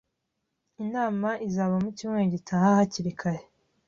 Inama izaba mucyumweru gitaha hakiri kare